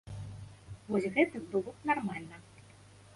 Вось гэта было б нармальна.